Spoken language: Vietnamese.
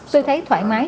tôi thấy thoải mái